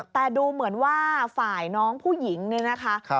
แต่ดูเหมือนว่าฝ่ายน้องผู้หญิงเนี่ยนะคะ